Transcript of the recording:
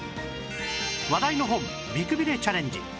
話題の本『美くびれ』チャレンジ